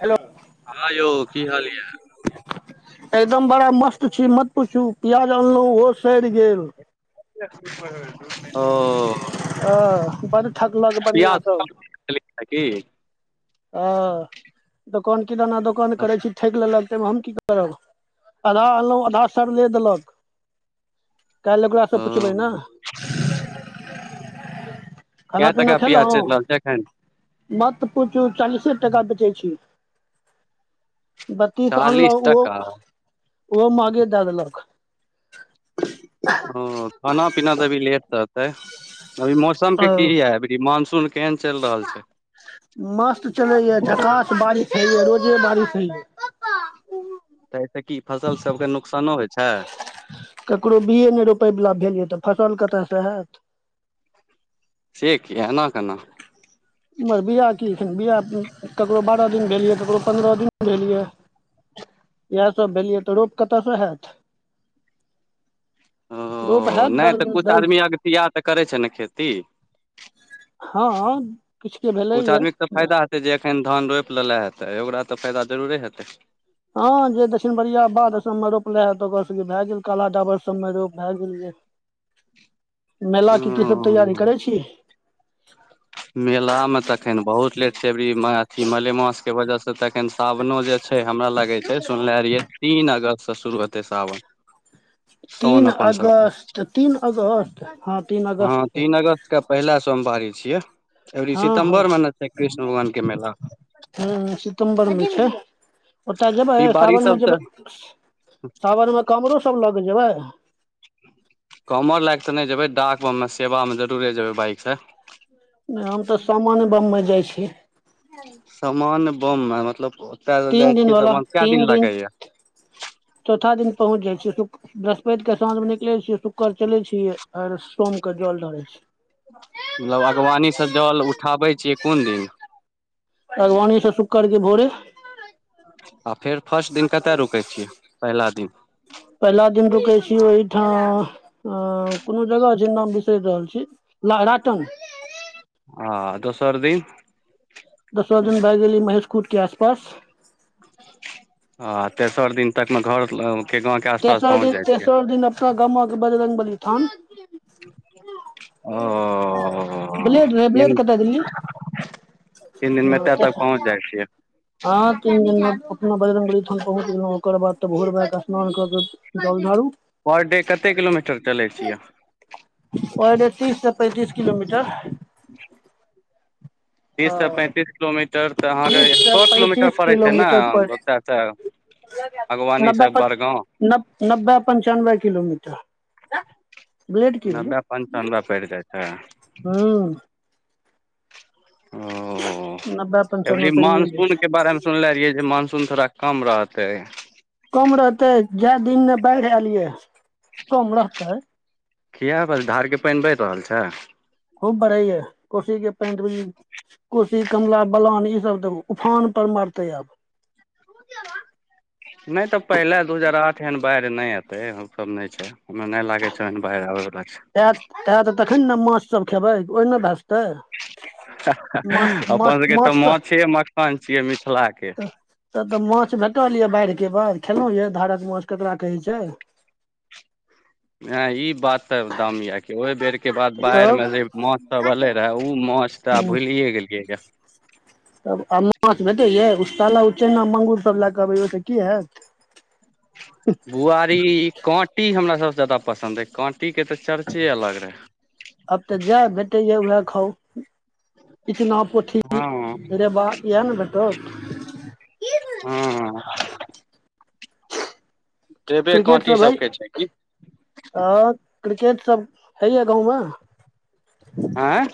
Hello हँ यौ की हाल य? एकदम बड़ा मस्त छी मत पुछू प्याज अनलहु ओहो सड़ि गेल। ओ अ [inaudible] बढ़िआँ सब [unintelligible] ह दोकान किदाना दोकान करे छी ठक लेलक तयमे हम की कर करब आधा अनलहुँ आधा सरले देलक। कल्ही ओकरा से पुछबै ने। कै खाना पीना टका पियाज चलि खेलव? रहल छै एखन मत पूछू चालीसे टाका बेचै छी। बत्तीस चालीस आनलहु टका ओहो ओहो महगे द देलक। ह खाना पीना तऽ अभी लेट रहतय अभी मौसम ओ के की है अभी मानसून के मस्त चलैय झकास बारिश हइ य रोजे बारिश होइ य। तऽ एहिसे की फसल सबके नुकसानो होइ छैय? केकरो बिए नहि रोपयवला भेल य तऽ फसल कतयसँ हैत। से किय एना केना। एम्हर बियाह की बिया ककरो बारह दिन भेलैया ककरो पन्द्रह दिन भेलैया। इएह सब भेलैया तऽ रोप कतसँ होयत। रोप ओ हैत ने दस त दिन कुछ दस आदमी अगतिया त करै छैय ने खेती। हँ किछुके किछु भेलैये आदमीके तऽ फायदा हेतै जे एखन धान रोपि लेले हेतै ओकरा तऽ फायदा जरूरे हेतै। हँ जे दक्षिण बरिया बाद सबमे रोपले हे त ओकर सब भए गेल काला डाबर सबमे रोप भए गेल। मेला के की सब तैयारी ओ करै छी? मेला मे तऽ अखन बहुत लेट छैय एबरी अथि मलेमास के वजह से तखन सावनो जे छैय हमरा लगे छैय सुनले रहियै तीन अगस्त से शुरू हेतै सावन। तीन साउन अपन सबके अगस्त तीन अगस्त हँ तीन हँ अगस्त। तीन अगस्त के पहिला सोमवारी छियै एबरी हँ हँ सितम्बर में ना छैय ने कृष्ण भगवान के मेला। हँ सितम्बर मे होय छैय। ओतऽ जेबै ई बारिश सावन मे सब से जेबै सावनमे कामरो सब लऽ कऽ जेबै? कामर लके त नहि जेबै डाक बम में सेवा में जरुरे जेबै बाइक से। नहि हम त सामान बममें जाइ छी। समान बम मे मतलब ओतय तीन जाइ छियै दिनवला समान कय तीन दिन लागैया? चौथा दिन पहुँच जाइ छी [unintelligible] बृहस्पति के साँझ मे निकलै छियै शुक्रर चलै छियै आर सोम के जल ढारै छियै। अगवानी स जल उठाबै छैय कोन दिन? अगवानी सँ शुक्र के भोरे। आ फेर फस्ट दिन कत रुकै छियै पहिला दिन। पहिला दिन रुकै छी ओहिठाम अ कोनो जगह छैय नाम बिसरि रहल छी। राटन आ दोसर दिन? दोसरो दिन भए गेलै महेश कूट के आसपास। आ तेसर दिन तक मे घर के गाँंव तेसर दिन तेसर दिन अपना गामा के बजरंग बली थान। ब्लेड रहै ब्लेड कतऽ देलियै ओ तीन दिन मे हँ एतै तक पहुँच तेसर जाइ छियै। हँ तीन दिन मे अपना बजरंगबली थाम पहुँच गेलहुं ओकर बाद त भोर भाए के नन क क जल धारू। पर डे कते किलोमीटर चलै छियै? पर डे तीस से पैंतीस किलोमीटर। [inaudible] तीससँ पैंतीस किलोमीटर तऽ तीस अहाँके से छः किलोमीटर पैंतीस पड़ै छैय ने किलोमीटर पर [unintelligible] नब्बे बागवानीसँ प बड़गाँव। नब्बे पंचानबे किलोमीटर। ब्लेड की भेलै नब्बे पंचानबे पड़ि जेतै। हूं ओ नब्बे अही पंचानबे बेरी पेरिये जाइ मानसून छै के बारे में सुनले रहियै जे मानसून थोड़ा कम रहतय। कम रहतै जैयदिन में बाढ़ि एलियै कम रहतै। किए धारके पानि बैढ रहल छैय? खूब बढैया कोसी के पानी कोशी कमला बलान ईसब देखबू उफान पर मारतै आब। नय त पहिले दू हजार आठ एन बाढ़ ने एते हम सब ने छैय। हमे नहि लागे छन बाढ़ आबे वला छैय। एत एह तखन ने माछ सब खेबै ओहिना भाए सकै माछ अपन सबके तऽ माछ माछे मखान छियै मिथिला के। तब त माछ भेटल य बाढ़ के बाद खेलो ये धारक माछ ककरा कहै छैय। है ई बात तऽ दम य। ओहि बेर के बाद बाढ़ि तब में जे माछ सब एले रहे माछ तऽ आ भूलि गेलियै। [inaudible] तब आ माछ भेटै यै उस्ताला उ चाना मांगुर सब लए कऽ अबैयौ तऽ की हैत। [unintelligible] बुआरी ई काँटी हमरा सबसँ ज्यादा पसन्द अछि काँटीके तऽ चर्चे अलग रहै। आब तऽ जैह भेटैया वैह खाउ इचना पोठी हँ रेवा। ईहे न [unintelligible] हँ देबे काँटी क्रिकेटमे भइ सबके छै की हँ क्रिकेट सब होइ य गाँवमे? आँय?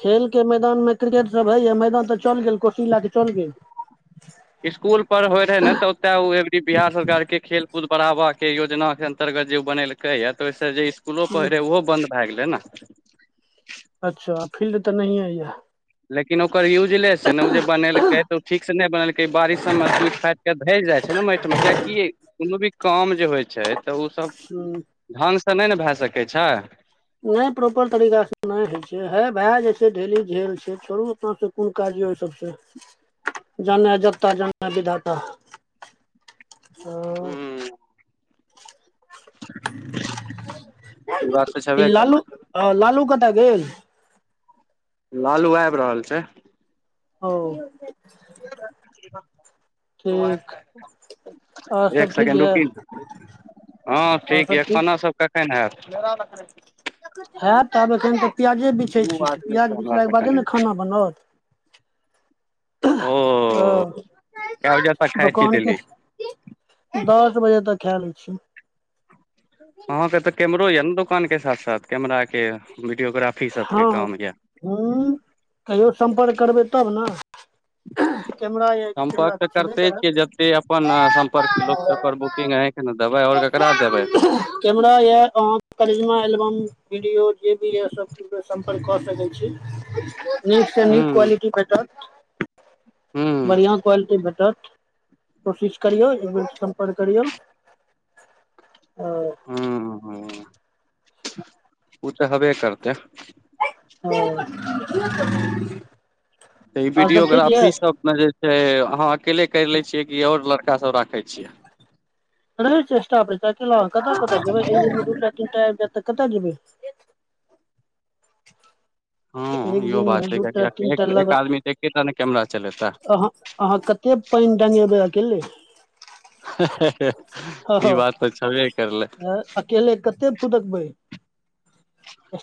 खेल के मैदान मे क्रिकेट सब हये मैदान तऽ चल गेल कोशी लए क चल गेल। स्कूल पर होय रहे ने त ओताे ओ एक बिहार सरकार के खेल कूद बढ़ावा के योजना के अंतर्गत जे ओ बनेलक कहैया तऽ ओहिसँ जे स्कूलो पढ़ै रहै ओहो बंन्द भै‌ गेलै ने। अच्छा फील्ड तऽ नहिये यऽ। लेकिन ओकर यूजलेस हय ने ओ जे बनेलकै तऽ ओ ठीक से नहि बनेलकै बारिश सबमे तुत फाइत के धयस जाय छैय ने माटि मे किया कि कोनो भी काम जे होय छैय तऽ ओ सब हूँ ढङ्ंगसँ नहि न भए सकै छै नहि प्रॉपर तरीका से नहि हय छै हे भए जाय छै डेली झेल छै छोड़ू अपना सबक कोन काज य ओहि सबसँ जानै जत्ता जानै विधाता ओ हूँ ई बात तऽ छेबे लालू करै लालू कता गेल लालू आबि रहल छै ओ ठीक आओर सब एक ठीक सेकेंड यऽ रुकी ने हँ आओर ठीक सब य खानासभ कखन हेत हेत ताब अखन तऽ प्याजे बिछै ओ छी बात नहि छै प्याज हमरा से बिछलाके बादे कने न खाना बनत ओ ओ कए बजे तक खाइ छियै डेली दुकानके दस बजे तक खेए लै छी अहां के त कैमरो य न दुकान के साथ साथ कैमरा के वीडियोग्राफी हँ सभके काम यए हूं कहियो सम्पर्क करबै तब न सम्पर्क तऽ करते छियै करत जते अपन सम्पर्क लोक ओकर बुकिंग ह दबै आओर ककरा देबै कैमरा ये करिज्मा एल्बम वीडियो जे भी य सब सम्पर्क कऽ सकै छी नीकसँ नीक ह्म क्वालिटी भेटत ह्म बढ़िआं क्वालिटी भेटत कोशिश करियौ एक बेर सम्पर्क करियौ हू हू उ तऽ हबे करतै ओ त ई वीडियोग्राफी सब मे जे छै अहाँ अकेले करि लै छियै कि आओर लड़का सब राखै छियै रहै छै स्टाफ एकटा कतऽ कत जेबै कतऽ जेबै हँ एक इहो दिन बात मे छै दूटा कियाकि तीनटा एक लगन आदमी तऽ एकेटा न कैमरा चलेतै अहाँ कते पानि डंगेबै अकेले हँ ई बात तऽ छबे करलै हँ अकेले कते फुदकबै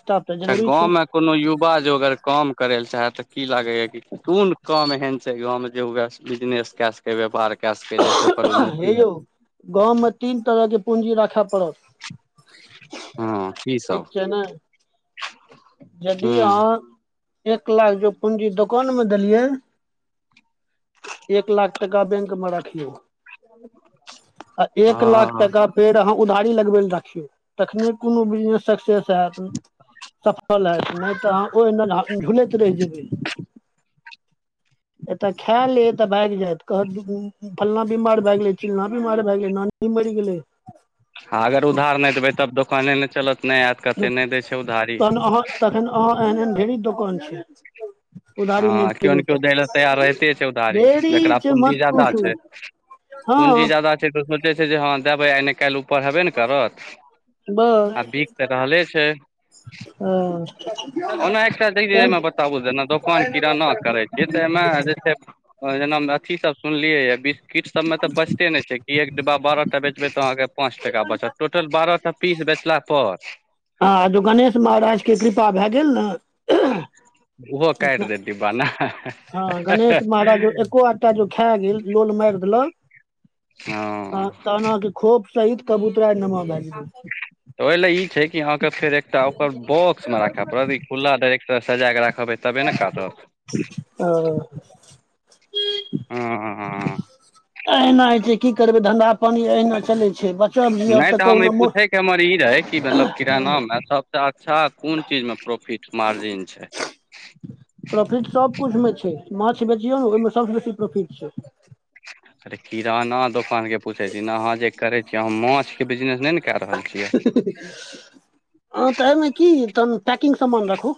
स्टाफ तऽ जरूरी गाँव छै मे कोनो युवा जो अगर काम करय लए चाहे त की लागैए कि कोन काम एहन छै गाँवमे जेएह बिजनेस कए सकै व्यापार कए सकै जे ओकर उन्नति हेतै गाँवमें तीन तरहके पूँजी राखय पड़त हँ की ठीक सब छै ने यदि हूँ अहाँ एक लाख जो पूंजी दोकान में देलियै एक लाख टका बेंक मे रखियौ आ एक लाख हँ टका फेर अहाँ उधारी लगबै ल राखियौ तखने कोनो बिजनेस सक्सेस हेयत सफल हेयत नहि तऽ ओहिना झुलैत रहि जेबै एतय खा लेत भागि जायत कहत की फल्लना बीमार भए गेलै चिल्लना बीमार भए गेलै नानी मरि गेलै अगर उधार नहि देबै तब दोकाने नहि चलत नहि आयत कहते नहि दै छै उधारी तहन अहाँ तखन अहाँ एहन एहन ढेरी दोकान छै उधारी नहि हँ केओ देबै ने केओ तऽ दै ल तैयार रहिते छै उधारी जकरा ढेरी छै पूँजी मत ज्यादा पूछू छै पूंजी हँ ज्यादा छै तऽ सोचै छै जे हँ देबै आय न काल्हि उपर हेबे न करत आ बस बिक तऽ रहले छै हँ ओना चल एकस्ट्रमे बताबू देना दुकान किराना करै छै तऽ एमे जे छै जेना अथी सब सुनलियै य बिस्किट सब में त बचते नहि छै एक डब्बा बारहटा बेचबै तऽ अहाँके पाँच टका बचत टोटल बारह टा पीस बेचला पर हँ ज गणेश महाराजके कृपा भए गेल ने अओरो काटि देतै न दी बाना हँ गणेश महाराज जो एको आटा जो खा गेल लोल मारि देलक हँ तहन खोप सहित कबूतरा नमो भैगेल तऽ ओहि लए ई छै कि अहाँके फेर एकटा ओकर बॉक्स मे राखय पड़त ई फुला डर्ट सजा के रखबै तबे ने कटत ह अहिना होइ छै की करबै धंधा पानी अहिना चलै छै बचब जियब नहि तऽ हम कहुना ई मोट, पूछैके हमर ई रहै कि मतलब किरानामे सब अच्छा अच्छा कोन चीज मे प्रोफिट मार्जिन छै प्रॉफिट सबकुछ मे छै माछ बेचियौ ने ओहिमे सबसँ बेसी प्रोफिट छै अरे किराना दोकान के पूछे छी हाँ जे करे छी माछ के बिजनेस ने कै रहल छियै तऽ एहिमे की तन पैकिंग समान रखू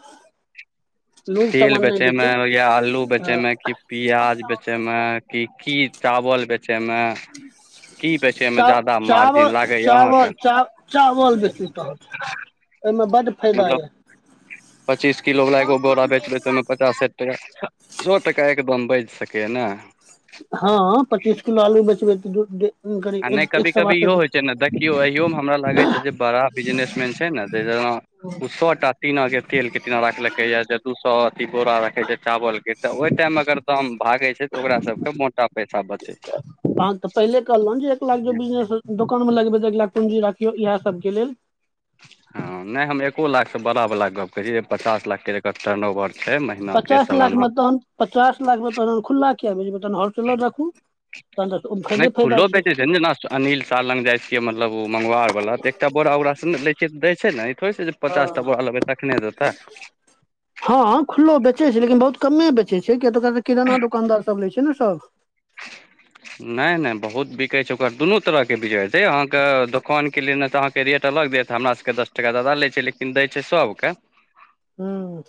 तेल बेचे मे बेचू या आलू बेचे हँ मे की प्याज बेचे मे मे के की चावल बेचे मे की बेचे मे च ज्यादा मार्जिन चावल लागैया अहाँ के चावल च चावल बे तहन ओहिमे बड मतलब पच्चीस किलो बला एगो बोरा बेचबै त ओहिमे पचास ह सौ टका एकदम बचि सकैया नहि हँ पच्चीस किलो आलू बेचबै तऽ दू करीब आ एक नहि एक कभी सए कभी बासठ इहो होइ छै ने देखियौ अयोमे हमरा लागै छै जे बड़ा बिजनेसमन छै ने जेना ओ सौ टा टीना के तेल के टीना राखलके य जे दू सौ अथी बोरा रखे छै चावल के तऽ ओहि टाइममे अगर दाम भागै छै तऽ ओकरा सबके मोटा पैसा बचै छै हँ तऽ पहिले कहलहु जे एक लाख जे बिजनेस दोकानमे लगबै तऽ एक लाख पूँजी राखियौ इएह सभके लेल हँ नहि हम एको लाख से बड़ा वला गप कहै छी पचास लाख के टर्नओवर छै महीना के पचास लाख मे सालाना तहन पचास लाख मे तहन खुला किया बेचै तहन हलसेलर रखू नहि खुलो बेचै छै न अनिल साह लग जाइ छिै मतलब ओ मङ्गवार बला तऽ एकटा बोरा ओराा उरा सँ लै छै तऽ दै छै ने ई थोड़े जे पचास टा हँ बोललबै तखने देतऽ हँ खुल्लो बेचै छै लेकिन बहुत कमे बेचै छै किया तऽ ओकरा किराना दोकानदार सभ लैत छै ने सभ नहि नहि बहुत बिकै छै ओकर दुनू तरह के बिकतै अहाँके दोकान के ल लेल ने तऽ अह के रेट अलग दे त हमरा सब के दस टका ज्यादा ले छै लेकिन दय छै सब के हूं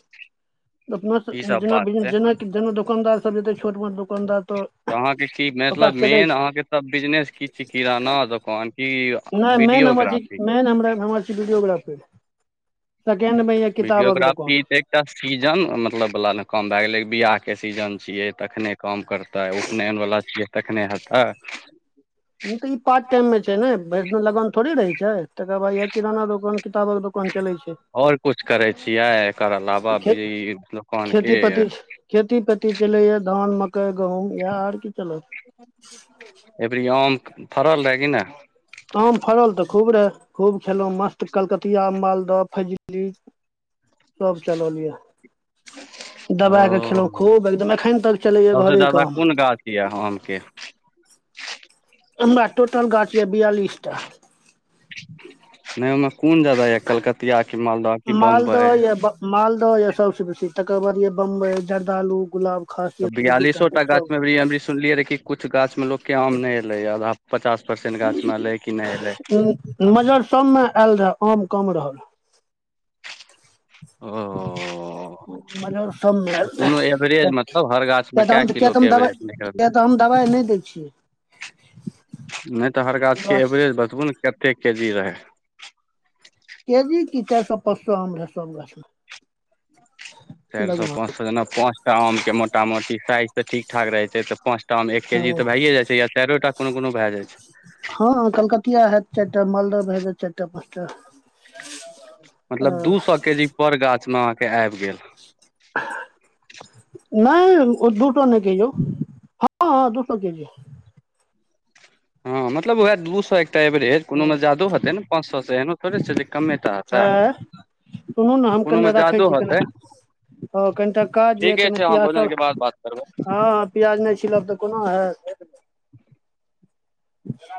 अपना ई सब जेना बात छै जेना जेना दोकानदार सब जेतै छोट मोट दोकानदार तऽ अहाँके की ओकरा मतलब सबके दै मेन छै अहाँके त बिजनेस की छिय किराना दोकान की नहि मेन हमर छी वीडियोग्राफी मेन हम हमर छी वीडियोग्राफी सेकेण्ड मे य किताबक दुकान वीडियोग्राफी तऽ एकटा सीजन मतलब बला न काम भए गेलै बियाह के सीजन छियै तखने काम करतै उपनयन वला छियै तखने हेतै तऽ ई पार्ट टाइम में छै ने भरि दिन लगन थोड़े रहे छै तकर बाद इह किराना दोकान किताबक दोकान चले छै और कुछ करै छियै एकर अलावा खे ई खेती दोकानके पति खेती पेती चलैया धान मकइ गहूम इएह आर की चलत एबरी आम फरल रहे की नहि आम फड़ल तऽ खूब रहए खूब खेलहुँ मस्त कलकतिया मालदह फजली सब चलल यऽ दबा के खेलहुं ओ खूब एकदम अखन तक चलेया घरे के आम किया आमके हमरा टोटल गाछ या बेयालीस टा नहि ओहिमे कोन ज्यादा यऽ कलकतिया कि मालदाह मालदह य मालदह यऽ सबसे बेसी तकर बाद य बम्बई जर्दालु गुलाब खास तऽ यए दू दू टा के बियालिसोटा गाछ सभ मे अभी हम सुनलियै रिहे कि कुछ गाछमे लोकके आम नहि एलैए आधा पचास परसेंट गाछमे एलै कि नहि एलै सबमे आयल रहये आम कम रहल ओह ब सबमे मतलब हर गाछ मे त कए किलो के दबा एवरेज निकललै तऽ हम [inaudible] दबाइ न दै छियै नहि तऽ हर गाछके गाछ एवरेज बतबू ने कतेक केजी रहै ' केजी की चारि सौ पांच सौ आम रहै सब गाछ मे चारि सौ पाँच सौ जेना पाँचटा आम के मोटा मोटी साइज तऽ ठीक ठाक रहैत छै तऽ पाँच आम एक के जी तऽ हँ भये जाय छै या चारो टा कोनो भै जाय छै हँ कलकतिया हैयत चारि टा मालदह भै जायत चारि टा पाँच टा ' मतलब दू सौ केजी पर गाछ मे आब गेल अह [unintelligible] नहि ओ दूटो नहि कहियौ हँ हँ दू सौ के जी हँ मतलब ओहै दू सौ एकटा एवरेज कोनो मे ज्यादो हेतय ने पाँच सौ से थोड़े छै जे कमे टा हेतै आँय सुनू ने हम कोनो मे कनिटा रखै जादो छी हेतै कनेटा हँ कनिटा काज यै ठीके कनि छै अहाँ भोजन पियासल के बाद बात करबै ' हँ प्याज नहि छिलब तऽ कोना हैत